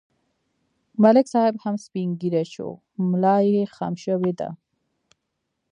ملک صاحب هم سپین ږیری شو، ملایې خم شوې ده.